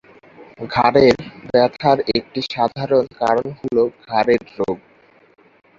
ঘাড়ের ব্যথার একটি সাধারণ কারণ হলো ঘাড়ের রোগ।